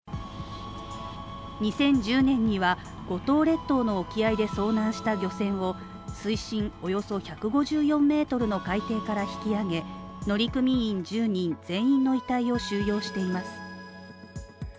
２０１０年には五島列島の沖合で遭難した漁船を水深およそ１５４ｍの海底から引き揚げ乗組員１０人全員の遺体を収容しています。